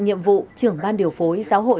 nhiệm vụ trưởng ban điều phối giáo hội